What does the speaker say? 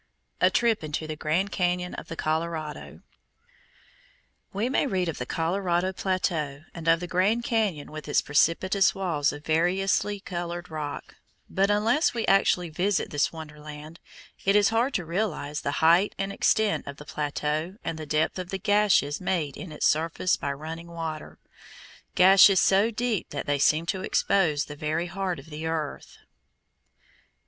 A TRIP INTO THE GRAND CAÑON OF THE COLORADO We may read of the Colorado plateau, and of the Grand Cañon with its precipitous walls of variously colored rock, but unless we actually visit this wonderland, it is hard to realize the height and extent of the plateau and the depth of the gashes made in its surface by running water, gashes so deep that they seem to expose the very heart of the earth.